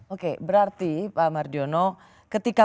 jadi itu berarti pak mardiono ketika